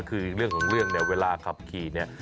คือเรื่องของเรื่องเนี่ยเวลาขับขี่เนี่ย